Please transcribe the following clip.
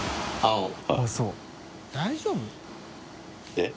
えっ！